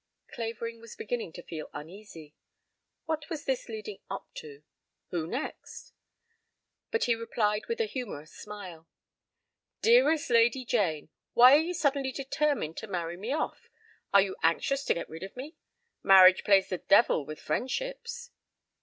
Clavering was beginning to feel uneasy. What was she leading up to? Who next? But he replied with a humorous smile: "Dearest Lady Jane! Why are you suddenly determined to marry me off? Are you anxious to get rid of me? Marriage plays the very devil with friendships."